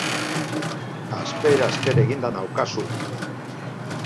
Asper-asper eginda naukazu!